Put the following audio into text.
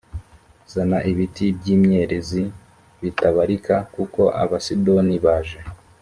zana ibiti by imyerezi bitabarika kuko abasidoni baje